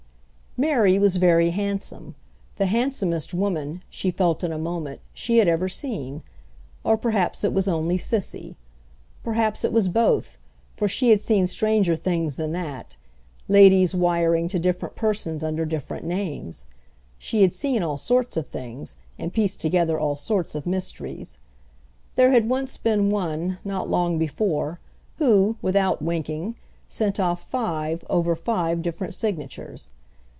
Mary was very handsome, the handsomest woman, she felt in a moment, she had ever seen—or perhaps it was only Cissy. Perhaps it was both, for she had seen stranger things than that—ladies wiring to different persons under different names. She had seen all sorts of things and pieced together all sorts of mysteries. There had once been one—not long before—who, without winking, sent off five over five different signatures.